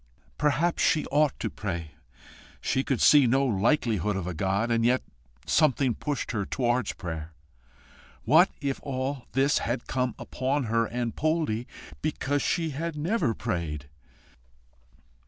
Perhaps she OUGHT to pray. She could see no likelihood of a God, and yet something pushed her towards prayer. What if all this had come upon her and Poldie because she never prayed!